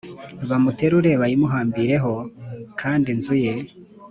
bamuterure bayimuhambireho kandi inzu ye